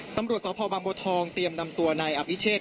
ตำรวจสพบางบัวทองเตรียมนำตัวนายอภิเชษ